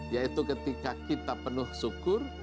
yaitu ketika kita penuh syukur